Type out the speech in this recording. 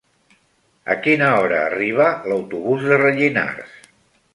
A quina hora arriba l'autobús de Rellinars?